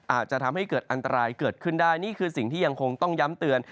อาจจะทำให้เกิดอันตรายเกิดขึ้นได้นี่คือสิ่งที่ยังคงต้องย้ำเตือน